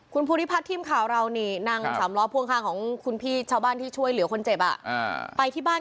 คุณภูทิภัทรทิมขาวเรานาง๓ร้อนหัวข้างของคุณพี่ช้าวบ้าน